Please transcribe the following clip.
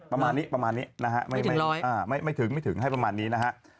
ประมาณนี้ประมาณนี้นะฮะไม่ถึงไม่ถึงให้ประมาณนี้นะฮะ